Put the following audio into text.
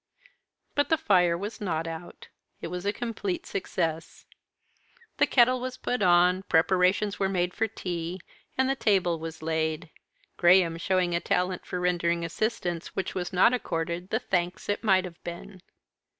But the fire was not out. It was a complete success. The kettle was put on, preparations were made for tea, and the table was laid, Graham showing a talent for rendering assistance which was not accorded the thanks it might have been.